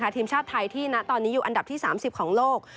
ทีมชาติไทยที่ตอนนี้อยู่อันดับที่๓๐ของโลก